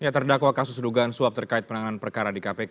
terdakwa kasus dugaan suap terkait penanganan perkara di kpk